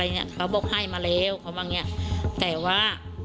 ไปหาอาชาการจังหวัดแล้วบอกว่าทางสืบส่วนเขาให้สำนวนมาหรือยัง